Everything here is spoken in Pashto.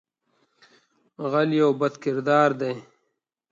غل یو بد کردار دی